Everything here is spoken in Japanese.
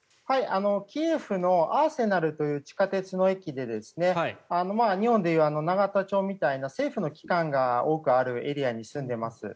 キエフのアーセナルという地下鉄の駅で日本でいう永田町みたいな政府の機関が多くあるエリアに住んでいます。